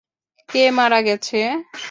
কে মারা গেছে?